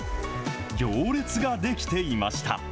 行列が出来ていました。